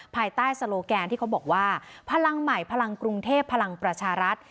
ภายใต้โซโลแกนที่เขาบอกว่าพลังใหม่พลังกรุงเทพพลังประชารัฐ